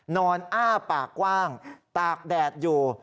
อ้าปากกว้างตากแดดอยู่